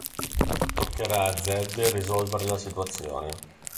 Toccherà a Zedd risolvere la situazione.